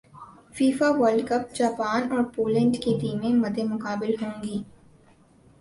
FIFA World Cup Japan اور Poland کی ٹیمیں مدمقابل ہوں گی